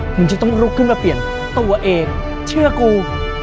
มึงจะต้องลุกขึ้นมาเปลี่ยนตัวเองเชื่อกู